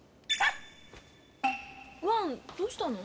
ワンどうしたの？